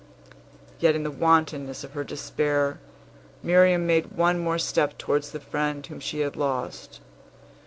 Yet, in the wantonness of her despair, Miriam made one more step towards the friend whom she had lost.